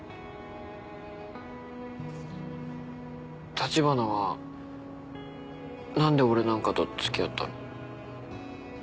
橘は何で俺なんかと付き合ったの？